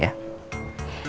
iya ren makasih ya